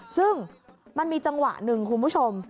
ซึ่งมันมีจังหวะหนึ่งคุณผู้ชม